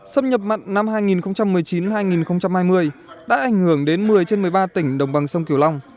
xâm nhập mặn năm hai nghìn một mươi chín hai nghìn hai mươi đã ảnh hưởng đến một mươi trên một mươi ba tỉnh đồng bằng sông kiều long